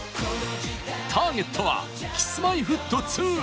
ターゲットはＫｉｓ‐Ｍｙ‐Ｆｔ２！